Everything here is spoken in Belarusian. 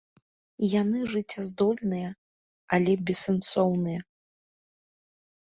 Яны жыццяздольныя, але бессэнсоўныя.